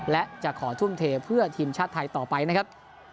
และจะขอทุ่มเทเพื่อทีมชาติไทยต่อไปนะครับ